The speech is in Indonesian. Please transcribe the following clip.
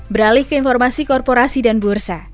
beralih ke informasi korporasi dan bursa